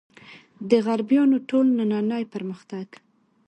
د غربیانو ټول نننۍ پرمختګ.